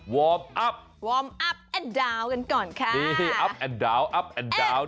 เวิร์มอัพอัพและดาวน์กันก่อนค่ะอัพและดาวน์อัพและดาวน์